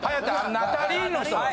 ナタリーの人。